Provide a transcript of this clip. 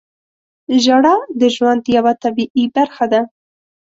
• ژړا د ژوند یوه طبیعي برخه ده.